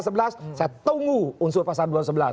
saya tunggu unsur pasal dua belas